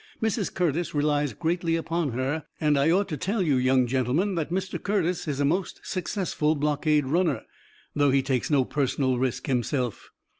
Mrs. Curtis relies greatly upon her and I ought to tell you, young gentlemen, that Mr. Curtis is a most successful blockade runner, though he takes no personal risk himself.